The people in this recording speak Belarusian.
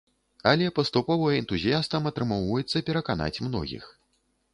Але паступова энтузіястам атрымоўваецца пераканаць многіх.